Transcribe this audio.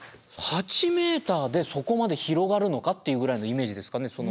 ８ｍでそこまで広がるのかっていうぐらいのイメージですかね。